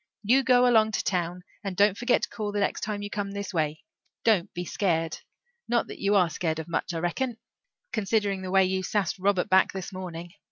You go along to town and don't forget to call the next time you come this way. Don't be scared. Not that you are scared of much, I reckon, considering the way you sassed Robert back this morning.